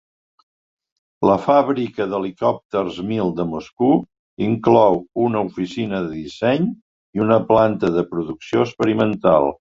La Fàbrica d'Helicòpters Mil de Moscú inclou una oficina de disseny i una planta de producció experimental.